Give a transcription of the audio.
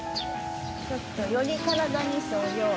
ちょっとより体に沿うように。